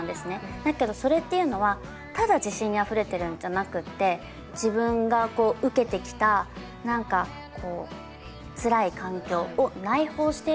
だけどそれっていうのはただ自信にあふれてるんじゃなくて自分が受けてきた何かこうつらい環境を内包してる。